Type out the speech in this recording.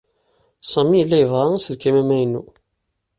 Sami yella yebɣa aselkim amaynu.